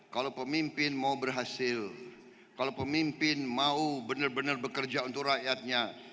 kalau pemimpin mau berhasil kalau pemimpin mau benar benar bekerja untuk rakyatnya